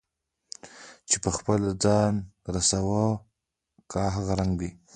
چې په خپله ځان رسوا كا هغه رنګ دے